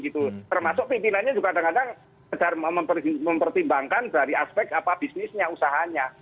termasuk pimpinannya juga kadang kadang mempertimbangkan dari aspek apa bisnisnya usahanya